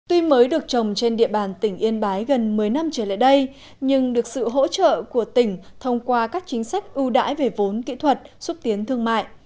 tuy mới được trồng trên địa bàn tỉnh yên bái gần một mươi năm trở lại đây nhưng được sự hỗ trợ của tỉnh thông qua các chính sách ưu đãi về vốn kỹ thuật xúc tiến thương mại